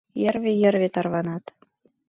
Йырве-йырве тарванат